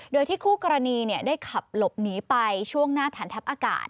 โดยที่คู่กรณีได้ขับหลบหนีไปช่วงหน้าฐานทัพอากาศ